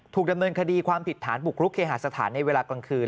ดำเนินคดีความผิดฐานบุกรุกเคหาสถานในเวลากลางคืน